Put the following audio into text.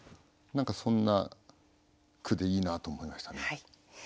何かそんな句でいいなと思いましたね。